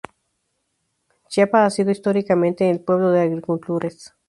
Chiapa ha sido históricamente un pueblo de agricultores.